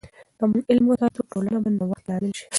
که موږ علم وساتو، ټولنه به د نوښت لامل سي.